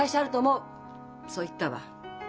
そう言ったわ。